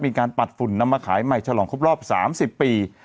ปัดฝุ่นนำมาขายใหม่ฉลองครบรอบ๓๐ปี